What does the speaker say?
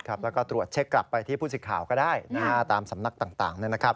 แล้วก็ตรวจเช็คกลับไปที่ผู้สิทธิ์ข่าวก็ได้ตามสำนักต่างนะครับ